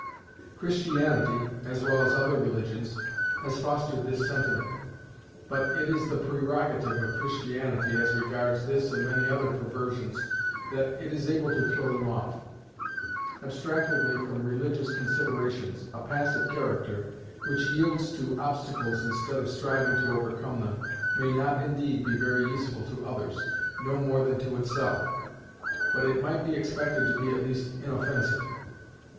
Christianity, as well as other religions, has fostered this sentiment; but it is the prerogative of Christianity, as regards this and many other perversions, that it is able to throw them off. Abstractedly from religious considerations, a passive character, which yields to obstacles instead of striving to overcome them, may not indeed be very useful to others, no more than to itself, but it might be expected to be at least inoffensive.